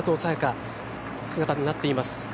也伽の姿になっています。